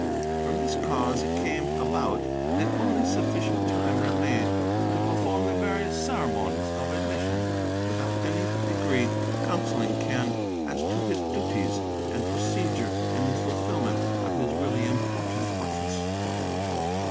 From this cause it came about that only sufficient time remained to perform the various ceremonies of admission, without in any degree counselling Quen as to his duties and procedure in the fulfilment of his really important office.